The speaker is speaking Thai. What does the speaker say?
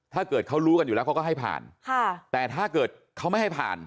ถ้าเกิดเขารู้กันอยู่แล้วเขาก็ให้ผ่านค่ะแต่ถ้าเกิดเขาไม่ให้ผ่าน